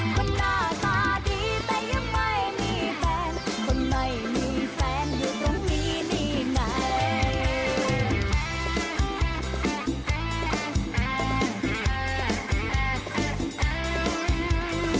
หน้าตาดีแต่ยังไม่มีแฟนคนไม่มีแฟนอยู่ตรงนี้นี่ไง